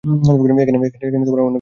এখানে অনেক বড় বড় রাঘববোয়াল আছে।